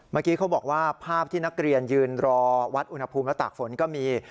เมื่อกี้เขาบอกว่าภาพที่นักเรียนยืนรอวัดอุณหภูมิและตากฝนก็มี